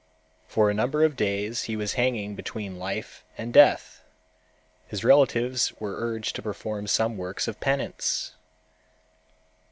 For a number of days he was hanging between life and death. His relatives were urged to perform some works of penance.